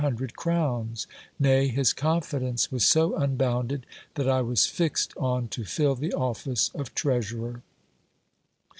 385 dred crowns ; nay, his confidence was so unbounded, that I was fixed on to fill the office of treasurer.